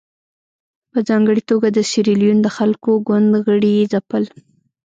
په ځانګړې توګه د سیریلیون د خلکو ګوند غړي یې ځپل.